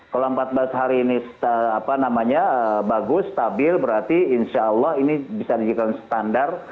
kalau empat belas hari ini bagus stabil berarti insya allah ini bisa dijadikan standar